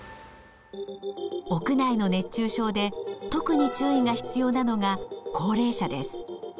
屋内の熱中症で特に注意が必要なのが高齢者です。